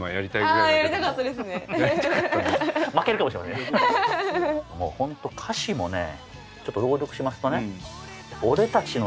ホント歌詞もねちょっと朗読しますとね。